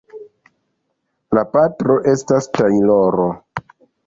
La patro estas tajloro.